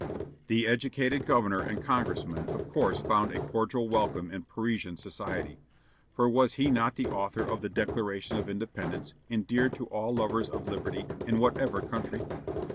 The educated governor and congressman of course found a cordial welcome in Parisian society, for was he not the author of the Declaration of Independence, endeared to all lovers of liberty, in whatever country.